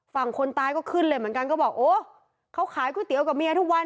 คนตายก็ขึ้นเลยเหมือนกันก็บอกโอ้เขาขายก๋วยเตี๋ยวกับเมียทุกวัน